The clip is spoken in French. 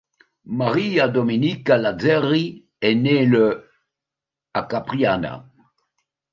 Maria Domenica Lazzeri est née le à Capriana.